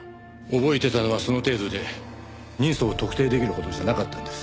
覚えてたのはその程度で人相を特定できるほどじゃなかったんです。